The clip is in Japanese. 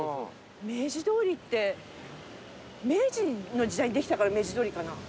明治通りって明治の時代にできたから明治通りかな？